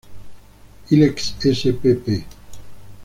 Ilex spp.